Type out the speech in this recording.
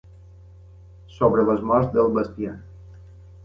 Sobre les morts del bestiar.